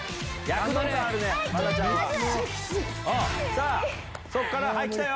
さぁそっからはい来たよ！